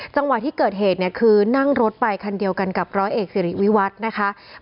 จังหวะที่เกิดเหตุเนี่ยคือนั่งรถไปคันเดียวกันกับร้อยเอกสิริวิวัฒน์นะคะ